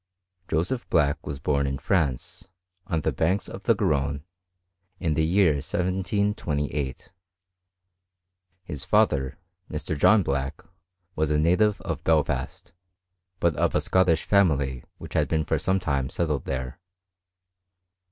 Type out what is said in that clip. Joseph Black was born in France, on the banks of the Garonne^ in the year 1728 : his father^ Mr. John 314 HISTORY OF CHEMISTRY. Black, was a native of Belfast, but of a Scottish family which had been for some time settled there.